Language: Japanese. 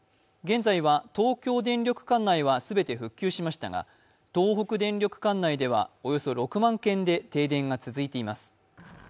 現在は東京電力管内はすべて復旧しましたが、東北電力管内では、およそ６万軒で停電が続いています